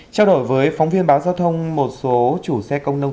trao đổi với phóng viên báo giao thông một số chủ xe công nông